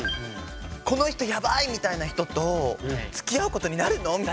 この人ヤバい！みたいな人とつきあうことになるの？みたいな。